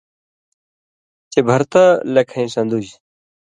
چے بھرتہ لکھَیں سن٘دُژ۔